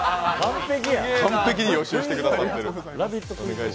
完璧に予習してくださってる。